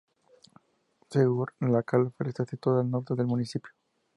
Segur de Calafell está situado al norte del municipio.